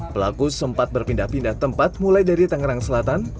pelaku sempat berpindah pindah tempat mulai dari tangerang selatan